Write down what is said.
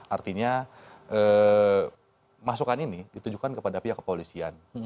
artinya masukan ini ditujukan kepada pihak kepolisian